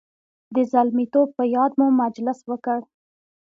د زلمیتوب په یاد مو مجلس وکړ.